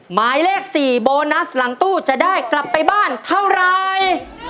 หมายเลข๔โบนัสหลังตู้จะได้กลับไปบ้านเท่าไร